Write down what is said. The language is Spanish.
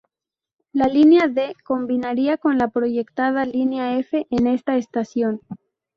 La línea D combinaría con la proyectada línea F en esta estación.